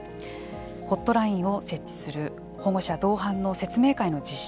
ホットラインを設置する保護者同伴の説明会の実施。